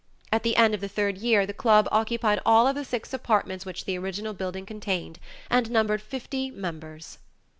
At the end of the third year the club occupied all of the six apartments which the original building contained, and numbered fifty members.